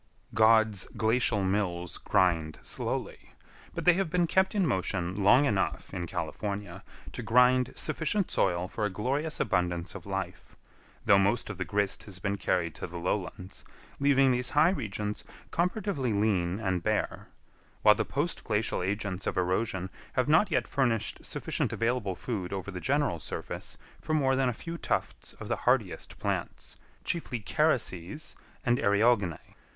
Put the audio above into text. God's glacial mills grind slowly, but they have been kept in motion long enough in California to grind sufficient soil for a glorious abundance of life, though most of the grist has been carried to the lowlands, leaving these high regions comparatively lean and bare; while the post glacial agents of erosion have not yet furnished sufficient available food over the general surface for more than a few tufts of the hardiest plants, chiefly carices and eriogonae.